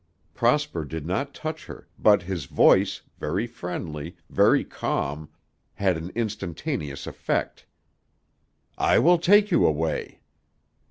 Prosper did not touch her, but his voice, very friendly, very calm, had an instantaneous effect. "I will take you away."